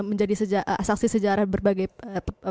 menjadi saksi sejarah berbagai